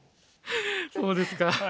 そうですか。